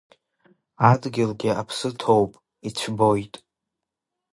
Адгьылгьы аԥсы ҭоуп, ицәбоит.